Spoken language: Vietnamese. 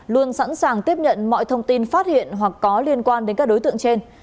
luôn sẵn sàng tiếp nhận mọi thông tin phát hiện hoặc có liên quan đến các đối tượng trên